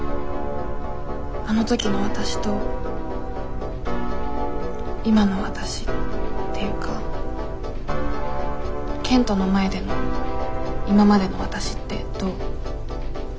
あの時のわたしと今のわたしっていうか賢人の前での今までのわたしってどう？